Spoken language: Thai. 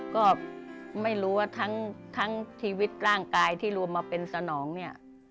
ก็ไม่รู้ว่าทั้งชีวิตร่างกายที่รวมมาเป็นสนองเนี่ย